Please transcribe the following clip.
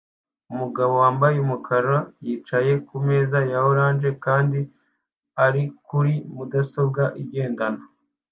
Umugabo wambaye umukara yicaye kumeza ya orange kandi ari kuri mudasobwa igendanwa